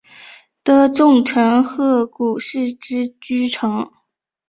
的重臣鹤谷氏之居城。